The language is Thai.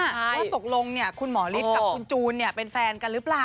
ว่าตกลงคุณหมอฤทธิ์กับคุณจูนเป็นแฟนกันหรือเปล่า